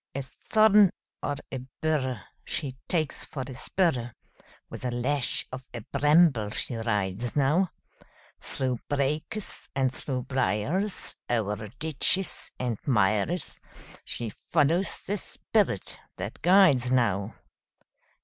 A thorn or a bur She takes for a spur; With a lash of a bramble she rides now, Through brakes and through briars, O'er ditches and mires, She follows the spirit that guides now.